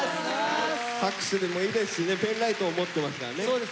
拍手でもいいですしねペンライトを持ってますからね。